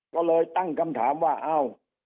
ก็เลยตั้งคำถามว่าเอ้า